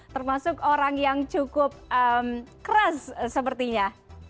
termasuk orang yang cukup keras sepertinya